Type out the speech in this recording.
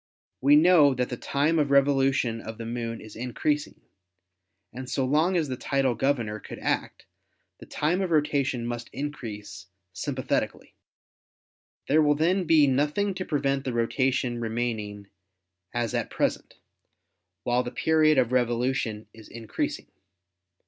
We know that the time of revolution of the Moon is increasing, and so long as the tidal governor could act, the time of rotation must increase sympathetically. There will then be nothing to prevent the rotation remaining as at present, while the period of revolution is increasing.